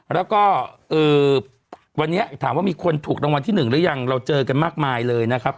แล้วก็วันนี้ถามว่ามีคนถูกรางวัลที่๑หรือยังเราเจอกันมากมายเลยนะครับ